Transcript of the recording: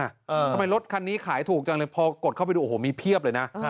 ทำไมรถคันนี้ขายถูกจังเลยพอกดเข้าไปดูโอ้โหมีเพียบเลยนะ